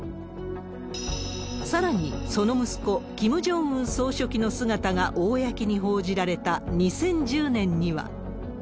さらに、その息子、キム・ジョンウン総書記の姿が公に報じられた２０１０年には。